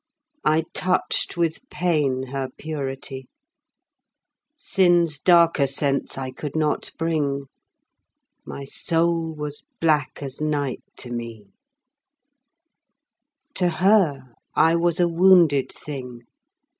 I touched with pain her purity; Sin's darker sense I could not bring: My soul was black as night to me: To her I was a wounded thing.